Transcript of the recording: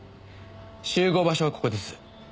集合場所はここです。